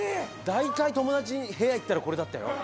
大体友達部屋行ったらこれだったよ。